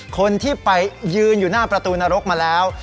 คนที่ไปยืนอยู่หน้าประตูนรกมาแล้ว